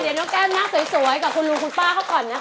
เดี๋ยวน้องแก้มหน้าสวยกับคุณลุงคุณป้าเขาก่อนนะคะ